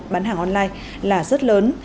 bán hàng online là rất lớn